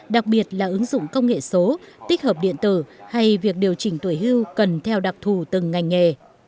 đặc biệt là ứng dụng công nghệ số tích hợp điện tử hay việc điều chỉnh tuổi hưu cần theo đặc thù từng ngành nghề